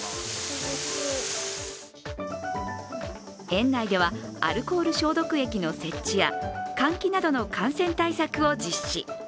園内ではアルコール消毒液の設置や換気などの感染対策を実施。